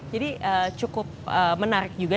jadi cukup menarik juga